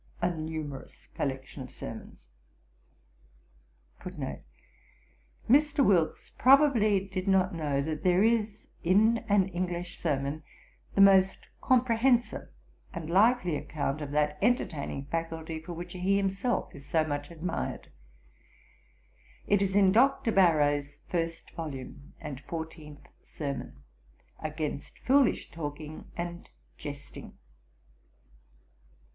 91. Mr. Wilkes probably did not know that there is in an English sermon the most comprehensive and lively account of that entertaining faculty, for which he himself is so much admired. It is in Dr. Barrow's first volume, and fourteenth sermon, _'Against foolish Talking and Jesting.'